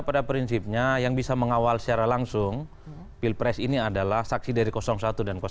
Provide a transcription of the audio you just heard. pada prinsipnya yang bisa mengawal secara langsung pilpres ini adalah saksi dari satu dan dua